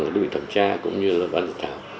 ủy ban thẩm tra cũng như ủy ban thẩm thảo